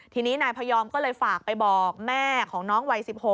ทีนี้นายพยอมก็เลยฝากไปบอกแม่ของน้องวัย๑๖